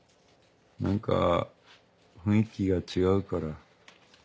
何か雰囲気が違うから。